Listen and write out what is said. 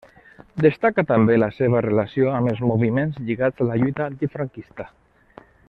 Destaca també la seva relació amb els moviments lligats a la lluita antifranquista.